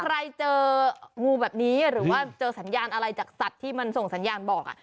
ใครเจองูแบบนี้หรือว่าเจอสัญญาณอะไรจากสัตว์ที่มันส่งสัญญาณบอก